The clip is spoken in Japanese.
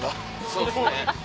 そうですね。